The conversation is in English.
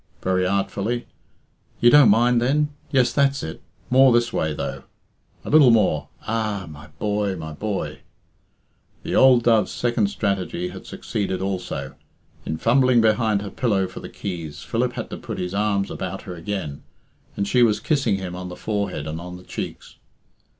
(very artfully) "you don't mind then? Yes, that's it; more this way, though, a little more ah! My boy! my boy!" The old dove's second strategy had succeeded also. In fumbling behind her pillow for the keys, Philip had to put his arms about her again, and she was kissing him on the forehead and on the cheeks.